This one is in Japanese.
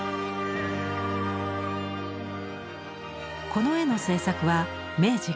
この絵の制作は明治５年。